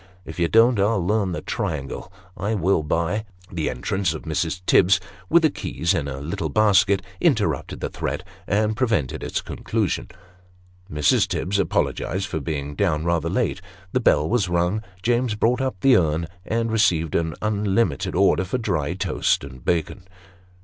If you don't, I'll learn the triangle I will, by " The entrance of Mrs. Tibbs (with the keys in a little basket) interrupted the threat, and prevented its conclusion. Mrs. Tibbs apologized for being down rather late; the bell was rung ; James brought up the urn, and received an unlimited order for dry toast and bacon.